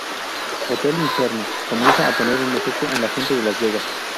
Hotel Inferno comienza a tener un efecto en la gente de Las Vegas.